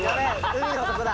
海の男だ。